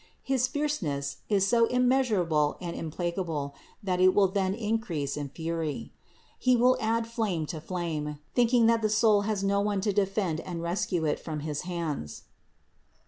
His fierceness is so immeasurable and implacable that it will then increase in fury. He will add flame to flame, thinking that the soul has no one to defend and rescue it from his hands (Ps.